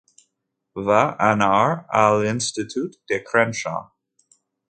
Va anar a l'institut de Crenshaw.